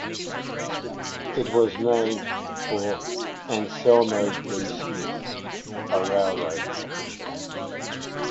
It was named for Anselmo B. Smith, a railroad official.